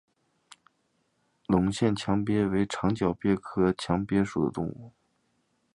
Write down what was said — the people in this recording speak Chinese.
隆线强蟹为长脚蟹科强蟹属的动物。